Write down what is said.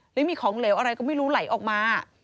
หรือมีของเหลวอะไรก็ไม่รู้ไหลออกมา